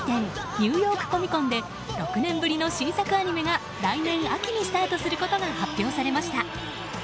ニューヨーク・コミコンで６年ぶりの新作アニメが来年秋にスタートすることが発表されました。